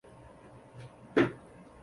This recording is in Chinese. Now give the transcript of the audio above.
康拉德一世。